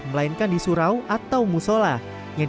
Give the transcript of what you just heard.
melainkan di surau atau musola